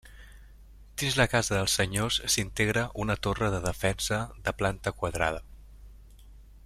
Dins la casa dels senyors s’integra una torre de defensa de planta quadrada.